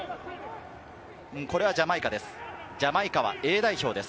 これはジャマイカです。